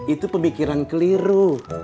itu pemikiran keliru